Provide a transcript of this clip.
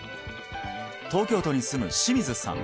東京都に住む清水さん